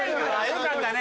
よかったね。